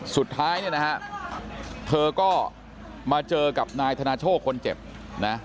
สุดท้ายเนี่ยนะฮะเธอก็มาเจอกับนายธนาโชคคนเจ็บนะ